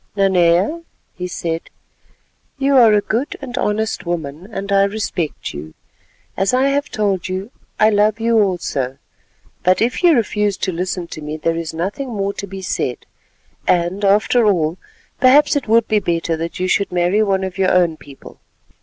"Nanea," he said, "you are a good and honest woman, and I respect you. As I have told you, I love you also, but if you refuse to listen to me there is nothing more to be said, and after all, perhaps it would be better that you should marry one of your own people.